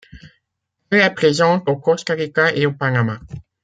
Elle est présente au Costa Rica et au Panama.